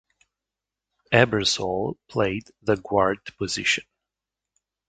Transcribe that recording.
Ebersole played the guard position.